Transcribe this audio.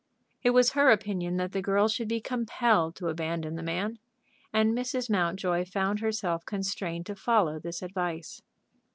It was her opinion that the girl should be compelled to abandon the man, and Mrs. Mountjoy found herself constrained to follow this advice.